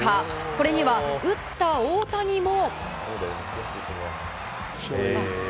これには打った大谷も。